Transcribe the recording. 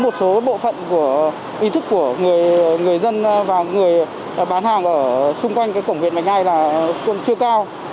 bán hàng ở xung quanh cổng việt bạch mai là chưa cao